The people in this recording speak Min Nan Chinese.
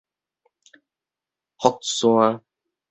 福山